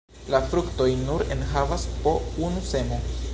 La fruktoj nur enhavas po unu semo.